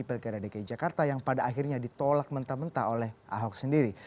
pilkada dki jakarta yang pada akhirnya ditolak mentah mentah oleh ahok sendiri